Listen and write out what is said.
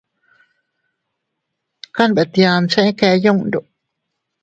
Kanbetianne cheʼe kee yundo.